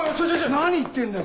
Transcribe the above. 何言ってんだよ